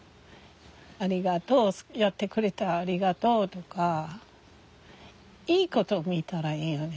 ありがとうやってくれてありがとうとかいいこと見たらいいよね。